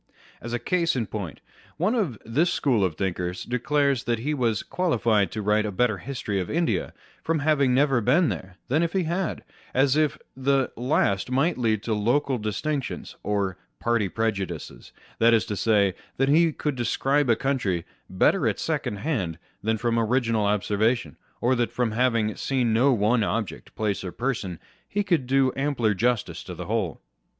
As a case in point,' one of this school of thinkers declares that he was qualified to write a better History of India from having never been there than if he had, as the last might lead to local distinctions or party prejudices ; that is to say, that On Beason and Imagination. 67 he could describe a country better at secondhand than from original observation, or that from having seen no one object, place, or person, he could do ampler justice to the whole.